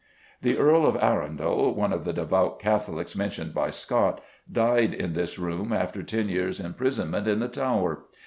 The Earl of Arundel, one of the devout Catholics mentioned by Scott, died, in this room, after ten years' imprisonment in the Tower.